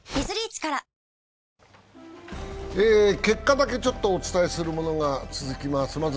結果だけお伝えするものが続きます。